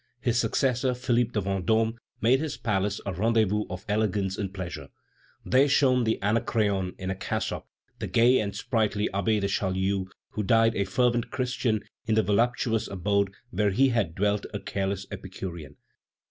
His successor, Philippe de Vendôme, made his palace a rendezvous of elegance and pleasure. There shone that Anacreon in a cassock, the gay and sprightly Abbé de Chaulieu, who died a fervent Christian in the voluptuous abode where he had dwelt a careless Epicurean.